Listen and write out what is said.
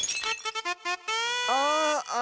ああ。